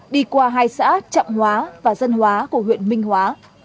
đi qua hai xã trạm hóa và dân hóa